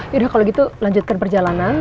yaudah kalau gitu lanjutkan perjalanan